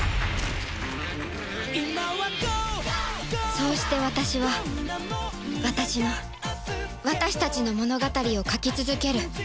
そうして私は私の私たちの物語を描き続ける